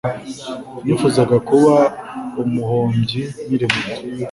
Nifuzaga kuba umuhimbyi nkiri muto